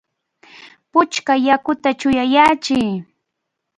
¡Puchka yakuta chuyayachiy!